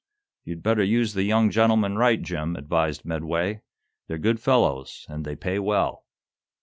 "You'd better use the young gentlemen right, Jim," advised Medway. "They're good fellows, and they pay well."